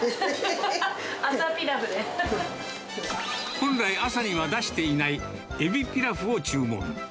本来、朝には出していないエビピラフを注文。